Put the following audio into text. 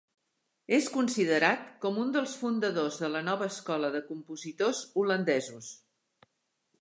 És considerat com un dels fundadors de la nova escola de compositors holandesos.